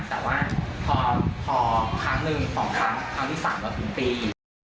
แต่คราวคราวครั้งหนึ่งคราวครั้งที่สามก็ถึงปี